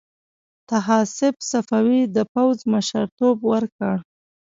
طاهاسپ صفوي د پوځ مشرتوب ورکړ.